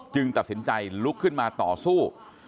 ตัดสินใจลุกขึ้นมาต่อสู้